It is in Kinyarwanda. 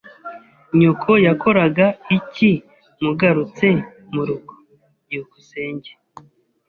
Nyoko yakoraga iki mugarutse murugo? byukusenge